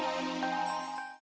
lu udah gue suntik